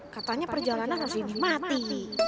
katanya perjalanan harus dinikmati